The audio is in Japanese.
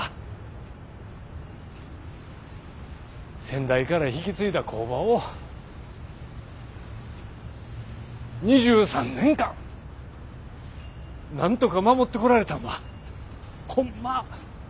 先代から引き継いだ工場を２３年間なんとか守ってこられたんはホンマ